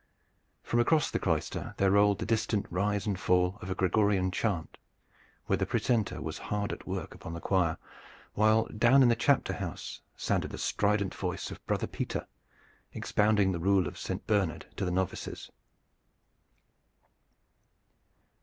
From across the cloister there rolled the distant rise and fall of a Gregorian chant, where the precentor was hard at work upon the choir, while down in the chapter house sounded the strident voice of Brother Peter, expounding the rule of Saint Bernard to the novices.